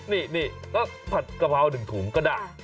นี่ก็ผัดกะเพรา๑ถุงก็ได้